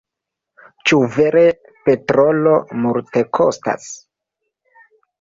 Ĉu vere petrolo multekostas?